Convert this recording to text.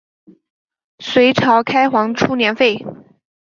隋朝开皇初年废。